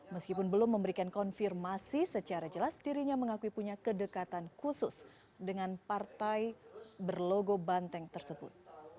meskipun belum memberikan konfirmasi secara jelas dirinya mengakui punya kedekatan khusus dengan partai berlogo banteng tersebut